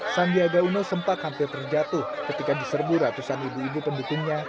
sandiaga uno sempat hampir terjatuh ketika diserbu ratusan ibu ibu pendukungnya